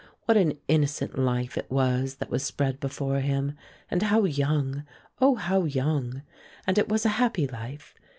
What an innocent life it was that was spread before him; and how young, oh, how young! And it was a happy life.